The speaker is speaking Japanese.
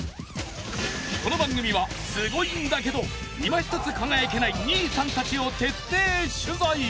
この番組はスゴイんだけどいまひとつ輝けない２位さんたちを徹底取材！